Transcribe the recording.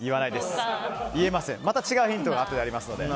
また違うヒントがありますので。